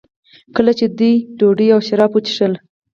کله چې دوی ډوډۍ او شراب وڅښل.